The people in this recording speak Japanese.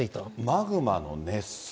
マグマの熱水。